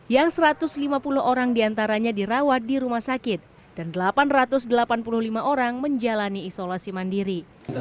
yang satu ratus lima puluh orang diantaranya dirawat di rumah sakit dan delapan ratus delapan puluh lima orang menjalani isolasi mandiri